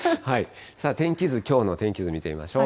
きょうの天気図、見てみましょう。